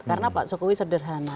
karena pak jokowi sederhana